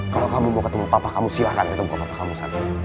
kalau kamu mau ketemu papa kamu silahkan ketemu apa kamu sadari